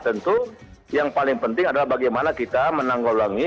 tentu yang paling penting adalah bagaimana kita menanggulangi